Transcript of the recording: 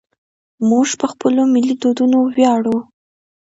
موږ په خپلو ملي دودونو ویاړو.